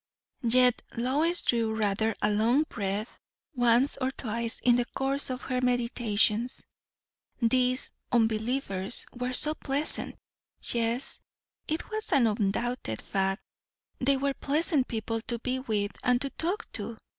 Yet Lois drew rather a long breath once or twice in the course of her meditations. These "unbelievers" were so pleasant. Yes, it was an undoubted fact; they were pleasant people to be with and to talk to.